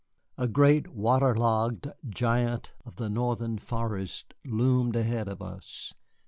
A great water logged giant of the Northern forests loomed ahead of us.